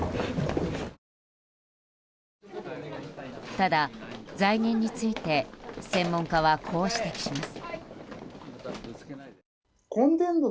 ただ、財源について専門家はこう指摘します。